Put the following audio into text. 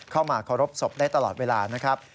เข้ามาเคารพศพได้ตลอดเวลานะครับ